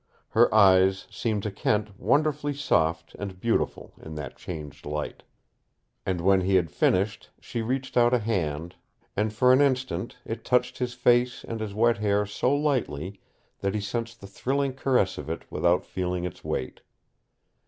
Her eyes seemed to Kent wonderfully soft and beautiful in that changed light. And when he had finished, she reached out a hand, and for an instant it touched his face and his wet hair so lightly that he sensed the thrilling caress of it without feeling its weight.